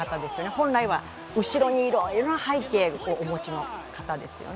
本来は後ろにいろいろ背景をお持ちの方ですよね。